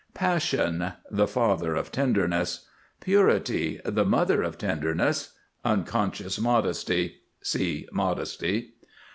PASSION. The father of Tenderness. PURITY. The mother of Tenderness. Unconscious modesty. (See Modesty.)